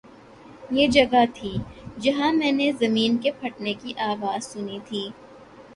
”یہ جگہ تھی، جہاں میں نے زمین کے پھٹنے کی آواز سنی تھی